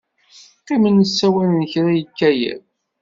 Qqimen ssawalen kra yekka yiḍ.